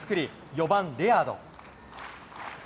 ４番レアード。